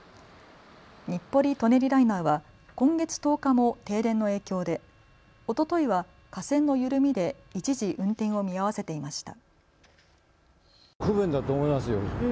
日暮里・舎人ライナーは今月１０日も停電の影響で、おとといは架線の緩みで一時、運転を見合わせていました。